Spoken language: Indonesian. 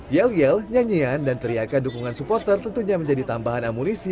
yel yel nyanyian dan teriakan dukungan supporter tentunya menjadi tambahan amunisi